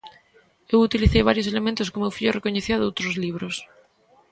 Eu utilicei varios elementos que o meu fillo recoñecía doutros libros.